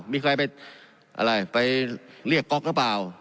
มีใครไปเรียกก็๊อกหรือเปล่า